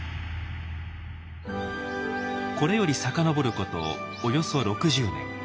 これより遡ることおよそ６０年。